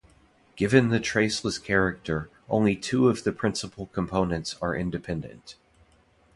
Given the traceless character, only two of the principal components are independent.